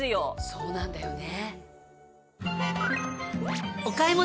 そうなんだよね。